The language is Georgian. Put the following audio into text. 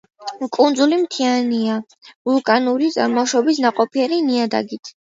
კუნძული მთიანია, ვულკანური წარმოშობის, ნაყოფიერი ნიადაგით.